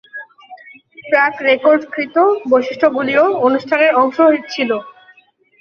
প্রাক-রেকর্ডকৃত বৈশিষ্ট্যগুলিও অনুষ্ঠানের অংশ ছিল।